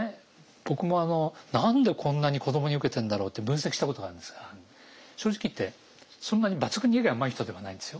僕も「何でこんなに子どもにウケてんだろう」って分析したことがあるんですが正直言ってそんなに抜群に絵がうまい人ではないんですよ。